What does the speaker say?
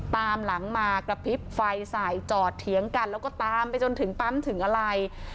ตามหลังมากระพริบไฟใส่จอดเถียงกันแล้วก็ตามไปจนถึงปั๊มถึงอะไร